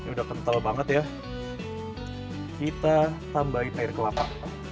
udah kental banget ya kita tambahin air kelapa